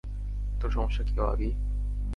তোর সমস্যা কি, আভি?